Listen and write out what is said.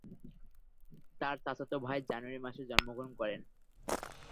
তার চাচাতো ভাই জানুয়ারি মাসে জন্মগ্রহণ করে।